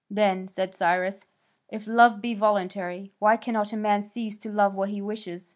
"Then," said Cyrus, "if love be voluntary, why cannot a man cease to love when he wishes?